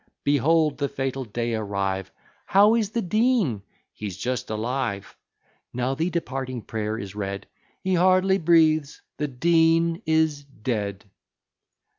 Behold the fatal day arrive! "How is the Dean?" "He's just alive." Now the departing prayer is read; "He hardly breathes." "The Dean is dead."